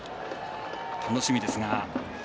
楽しみですが。